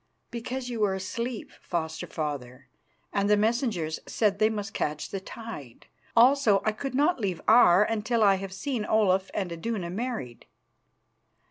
"Because you were asleep, Foster father, and the messengers said they must catch the tide. Also I could not leave Aar until I had seen Olaf and Iduna married."